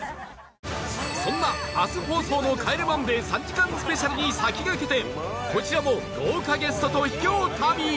そんな明日放送の『帰れマンデー』３時間スペシャルに先駆けてこちらも豪華ゲストと秘境旅！